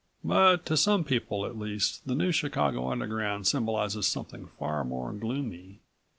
But to some people at least the New Chicago Underground symbolizes something far more gloomy.